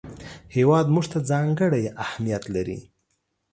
هېواد موږ ته ځانګړی اهمیت لري